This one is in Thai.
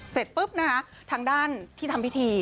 เสร็จปุ๊บนะคะทางด้านที่ทำพิธี